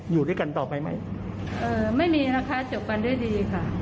อยู่ด้วยกันต่อไปไหมเอ่อไม่มีนะคะจบกันด้วยดีค่ะ